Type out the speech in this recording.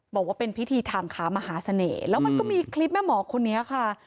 บอกว่าเป็นพิธีทางขามหาเสน่ห์แล้วมันก็มีคลิปแม่หมอคนนี้ค่ะ